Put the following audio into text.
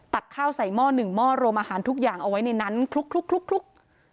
ข้าวใส่หม้อหนึ่งหม้อรวมอาหารทุกอย่างเอาไว้ในนั้นคลุก